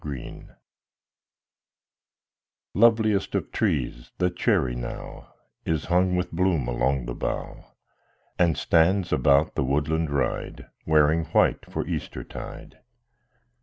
II Loveliest of trees, the cherry now Is hung with bloom along the bough, And stands about the woodland ride Wearing white for Eastertide.